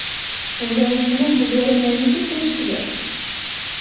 Әңгәмәсенең һүҙҙәре менән нисек килешергә